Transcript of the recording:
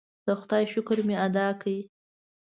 د خدای شکر مې ادا کړ.